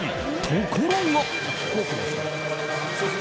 ところが。